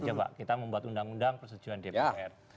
coba kita membuat undang undang persetujuan dpr